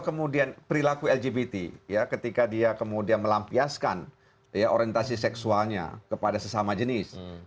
kemudian perilaku lgbt ketika dia kemudian melampiaskan orientasi seksualnya kepada sesama jenis